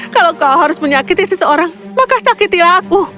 kalau kau harus menyakiti seseorang maka sakitilah aku